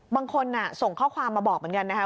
บางคนส่งข้อความมาบอกเหมือนกันนะคะ